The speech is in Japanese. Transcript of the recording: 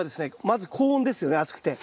まず高温ですよね暑くて。